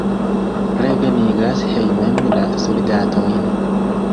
Revenigas hejmen la soldatojn!